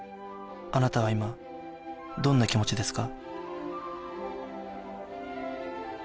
あなたは今どんな気持ちですか？